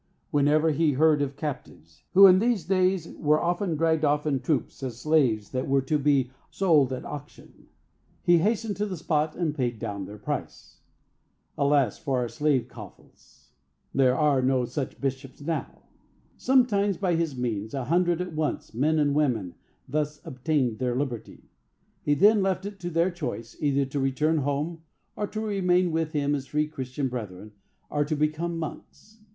Whenever he heard of captives, who in these days were often dragged off in troops as slaves that were to be sold at auction, he hastened to the spot and paid down their price." Alas for our slave coffles!—there are no such bishops now! "Sometimes, by his means, a hundred at once, men and women, thus obtained their liberty. He then left it to their choice, either to return home, or to remain with him as free Christian brethren, or to become monks.